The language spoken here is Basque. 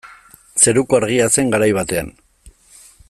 Zeruko Argia zen garai batean.